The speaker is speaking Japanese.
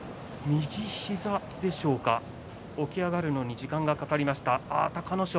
右膝でしょうか、起き上がるのに時間がかかりました、隆の勝。